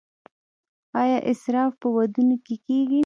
آیا اسراف په ودونو کې کیږي؟